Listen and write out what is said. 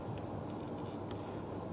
bahkan meningkatkan upaya untuk tracing lebih keras